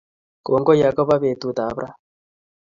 Kongoi akobo betut ab ra